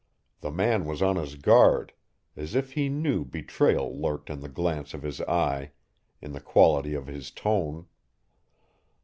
The man was on his guard, as if he knew betrayal lurked in the glance of his eye, in the quality of his tone.